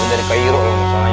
ini dari cairo misalnya